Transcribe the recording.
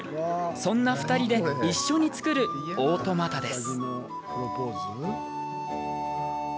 そんな２人で一緒に作るオートマタです。